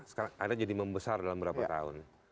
sekarang akhirnya jadi membesar dalam beberapa tahun